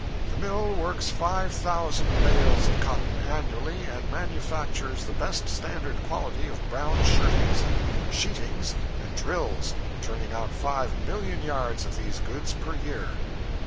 'The mill works 5,000 bales of cotton annually and manufactures the best standard quality of brown shirtings and sheetings and drills, turning out 5,000,000 yards of these goods per year.'